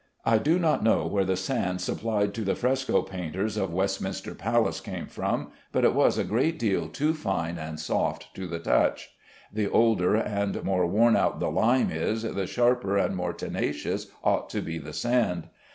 I do not know where the sand supplied to the fresco painters of Westminster Palace came from, but it was a great deal too fine and soft to the touch. The older and more worn out the lime is, the sharper and more tenacious ought to be the sand.